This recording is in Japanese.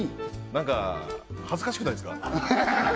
何か恥ずかしくないですか？